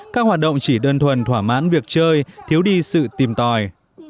các hoạt động chỉ đơn thuần thỏa mãn việc chơi thiếu đi sự tìm tòi